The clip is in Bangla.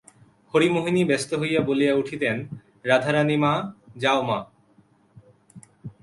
হরিমোহিনী ব্যস্ত হইয়া বলিয়া উঠিতেন, রাধারানী মা, যাও মা!